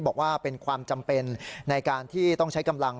บอกว่าเป็นความจำเป็นในการที่ต้องใช้กำลัง